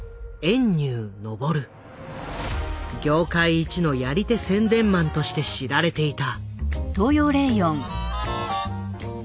業界一のやり手宣伝マンとして知られていた。